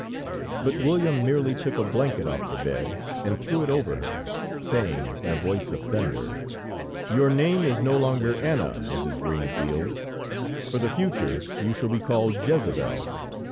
But William merely took a blanket off the bed and threw it over her, saying in a voice of thunder: "Your name is no longer Anna, Mrs. Greenfield; for the future you shall be called Jezabel.